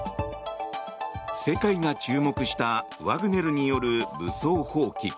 世界が注目したワグネルによる武装蜂起。